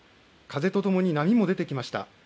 風とともに波も出てきました。